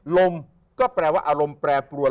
ลมก็แปลว่าอารมณ์แปรปรวน